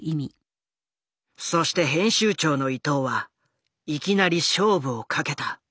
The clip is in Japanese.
そして編集長の伊藤はいきなり勝負をかけた。